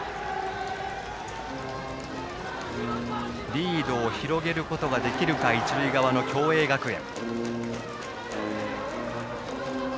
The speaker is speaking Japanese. リードを広げることができるか一塁側の共栄学園。